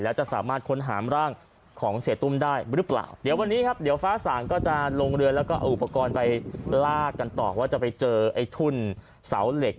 แล้วจะสามารถค้นหามร่างของเสียตุ้มได้หรือเปล่าเดี๋ยววันนี้ครับเดี๋ยวฟ้าสางก็จะลงเรือแล้วก็เอาอุปกรณ์ไปลากกันต่อว่าจะไปเจอไอ้ทุ่นเสาเหล็ก